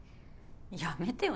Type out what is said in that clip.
やめてよ